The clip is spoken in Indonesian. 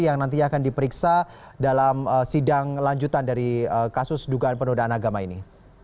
yang nanti akan diperiksa dalam sidang lanjutan dari kasus dugaan penduduk dan agama ini